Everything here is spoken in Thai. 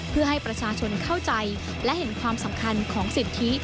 เพื่อให้ประชาชนเข้าใจและเห็นความสำคัญของสิทธิ